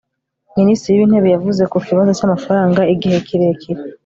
minisitiri w'intebe yavuze ku kibazo cy'amafaranga igihe kirekire